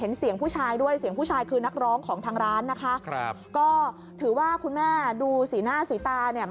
เสียงผู้ชายด้วยเสียงผู้ชายคือนักร้องของทางร้านนะคะครับก็ถือว่าคุณแม่ดูสีหน้าสีตาเนี่ย